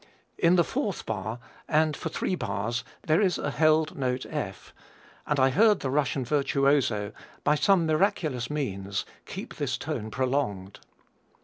In the fourth bar and for three bars there is a held note F, and I heard the Russian virtuoso, by some miraculous means, keep this tone prolonged.